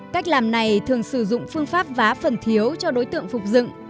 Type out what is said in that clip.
cách làm này thường sử dụng phương pháp vá phần thiếu cho đối tượng phục dựng